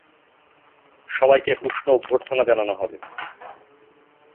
সবাইকে উষ্ণ অভ্যর্থনা জানানো হবে।